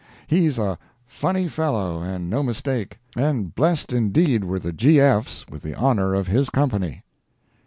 He's a phunny fellow and no mistake, and blessed, indeed, were the G.F.'s with the honor of his company."